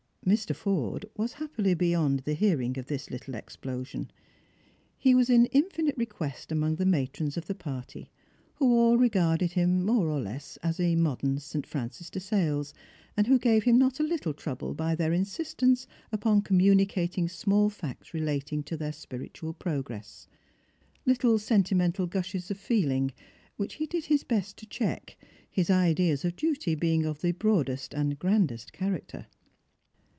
Mr. Forde was happily beyond the hearing of this little explosion. He was in infinite request among the matrons of the party, who all regarded him more or less as a modern St. Francis de Sales, and who gave him not a little trouble by their insistence upon communicating small facts relating to their spiritual progress ; little sentimental gushes of feeling which he did his best to check, his ideas of his duty being of the broadest and grandest character.